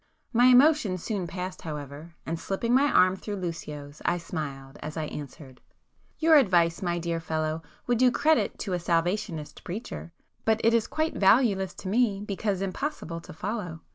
My emotion soon passed however, and slipping my arm through Lucio's, I smiled, as I answered— "Your advice, my dear fellow, would do credit to a Salvationist preacher,—but it is quite valueless to me, because impossible to follow.